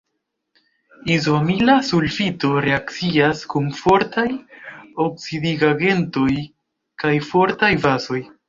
Izoamila sulfito reakcias kun fortaj oksidigagentoj kaj fortaj bazoj.